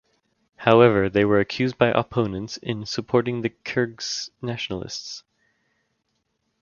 However they were accused by opponents in supporting the Kyrgyz nationalists.